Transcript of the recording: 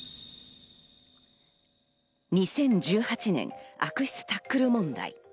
２０１８年、悪質タックル問題。